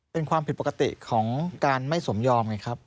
เป็นความผิดปกติของการไม่สมยอมไงครับ